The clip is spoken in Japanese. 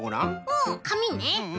うんかみね。